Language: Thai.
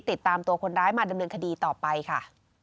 ติดตามตัวคนร้ายมาดำเนินคดีต่อไปค่ะ